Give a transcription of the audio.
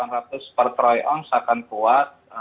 rp satu delapan ratus per troy ounce akan kuat